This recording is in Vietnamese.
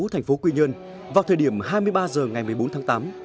thành phố quy nhơn vào thời điểm hai mươi ba h ngày một mươi bốn tháng tám